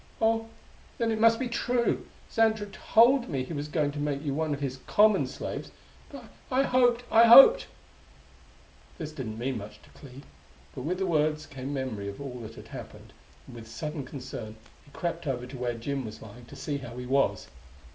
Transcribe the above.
"Oh, then it must be true! Xantra told me he was going to make you one of his common slaves; but I hoped I hoped "This didn't mean much to Clee; but with the words came memory of all that had happened, and with sudden concern he crept over to where Jim was lying, to see how he was.